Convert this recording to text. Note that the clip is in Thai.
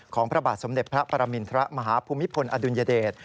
พระบาทสมเด็จพระปรมินทรมาฮภูมิพลอดุลยเดช